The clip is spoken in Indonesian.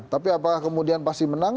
tapi apakah kemudian pasti menang